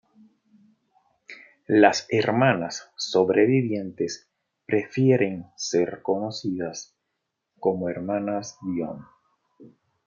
Las hermanas sobrevivientes prefieren ser conocidas como "hermanas Dionne".